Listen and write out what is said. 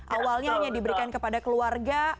awalnya hanya diberikan kepada keluarga